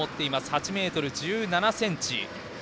８ｍ１７ｃｍ。